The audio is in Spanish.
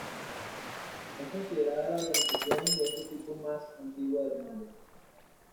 Es considerada la organización de este tipo más antigua del mundo.